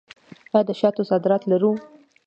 آیا د شاتو صادرات لرو؟